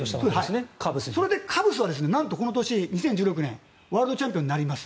カブスは何とこの年、２０１６年にワールドチャンピオンになります。